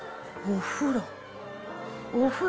お風呂。